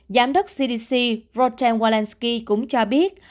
giám đốc cdc rodan walensky cũng cho biết